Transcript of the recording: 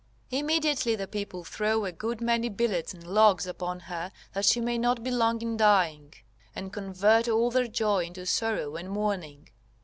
Immediately, the people throw a good many billets and logs upon her that she may not be long in dying, and convert all their joy into sorrow and mourning.